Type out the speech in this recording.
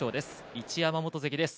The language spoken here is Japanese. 一山本関です。